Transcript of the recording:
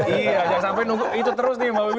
iya jangan sampai nunggu itu terus nih mbak wiwi